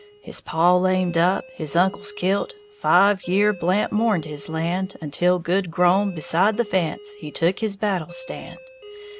His paw lamed up, his uncles kilt, Five year' Blant mourned his land, Until, good grown, beside the fence He took his battle stand.